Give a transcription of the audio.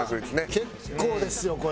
結構ですよこれ。